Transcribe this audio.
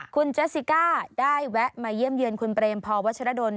คุณเจสสิก้าได้แวะมาเยี่ยมเยือนคุณเปรมพวัชรดล